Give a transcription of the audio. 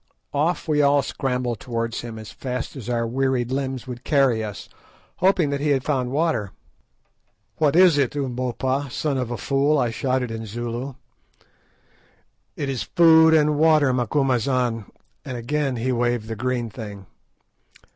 Off we all scrambled towards him as fast as our wearied limbs would carry us, hoping that he had found water. "What is it, Umbopa, son of a fool?" I shouted in Zulu. "It is food and water, Macumazahn," and again he waved the green thing.